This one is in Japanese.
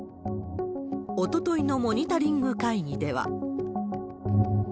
おとといのモニタリング会議では。